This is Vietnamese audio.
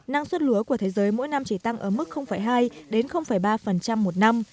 năng suất lúa của thế giới mỗi năm chỉ tăng ở mức hai ba một năm